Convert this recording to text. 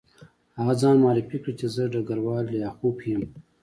هغه ځان معرفي کړ چې زه ډګروال لیاخوف یم